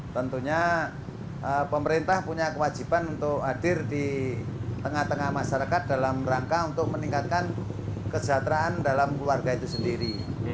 tentunya pemerintah punya kewajiban untuk hadir di tengah tengah masyarakat dalam rangka untuk meningkatkan kesejahteraan dalam keluarga itu sendiri